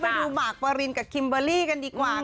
มาดูหมากปอรินกับคิมเบอร์รี่กันดีกว่า